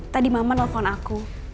tadi mama nelfon aku